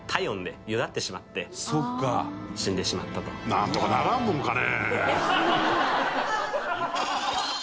なんとかならんもんかね。